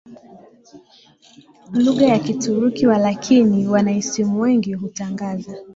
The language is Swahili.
lugha ya Kituruki Walakini wanaisimu wengi hutangaza